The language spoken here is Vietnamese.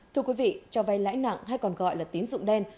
thưa quý vị cho vay lãi nặng hay còn gọi là tín dụng đen